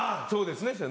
そうですね。